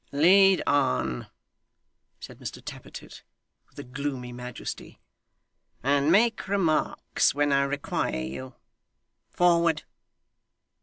'Lead on,' said Mr Tappertit, with a gloomy majesty, 'and make remarks when I require you. Forward!